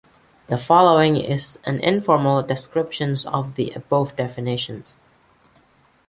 The following is an informal description of the above definition.